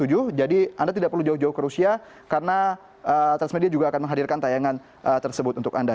jadi anda tidak perlu jauh jauh ke rusia karena transmedia juga akan menghadirkan tayangan tersebut untuk anda